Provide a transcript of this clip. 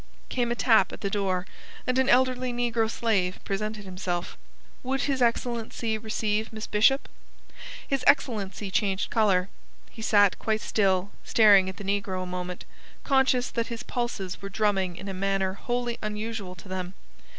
Came a tap at the door, and an elderly negro slave presented himself. Would his excellency receive Miss Bishop? His excellency changed colour. He sat quite still, staring at the negro a moment, conscious that his pulses were drumming in a manner wholly unusual to them.